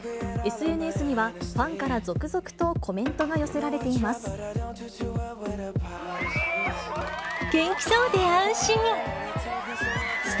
ＳＮＳには、ファンから続々とコメントが寄せられています。